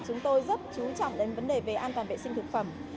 chúng tôi rất chú trọng đến vấn đề về an toàn vệ sinh thực phẩm